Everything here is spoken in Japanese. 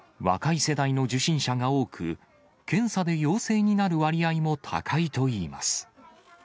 若い世代の受診者が多く、検査で陽性になる割合も高いといいます。